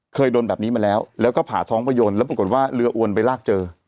เคยโดนแบบนี้มาแล้วแล้วก็ผ่าท้องประโยนแล้วปรากฏว่าเรืออวนไปลากเจอ